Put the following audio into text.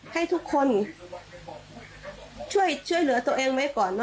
ให้ทุกคนช่วยเหลือตัวเองไว้ก่อน